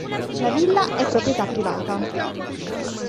La villa è proprietà privata.